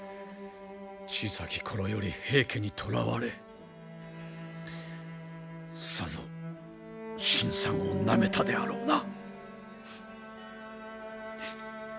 小さき頃より平家に捕らわれさぞ辛酸をなめたであろうな。